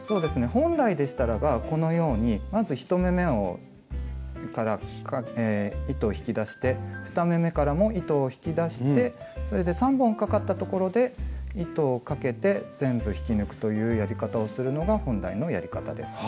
本来でしたらばこのようにまず１目めを糸を引き出して２目めからも糸を引き出してそれで３本かかったところで糸をかけて全部引き抜くというやり方をするのが本来のやり方です。